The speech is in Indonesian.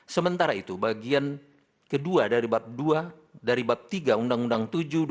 sementara itu bagian ke dua dari bab dua dari bab tiga undang undang tujuh dua ribu tujuh belas